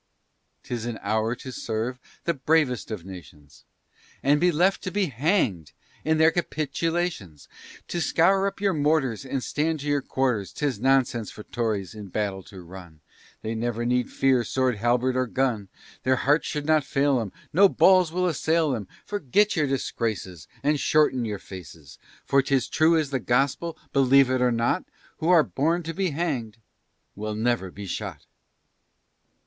'Tis an hour to serve the bravest of nations, And be left to be hanged in their capitulations. Then scour up your mortars, And stand to your quarters, 'Tis nonsense for Tories in battle to run, They never need fear sword, halberd, or gun; Their hearts should not fail 'em, No balls will assail 'em, Forget your disgraces, and shorten your faces, For 'tis true as the gospel, believe it or not, Who are born to be hang'd, will never be shot.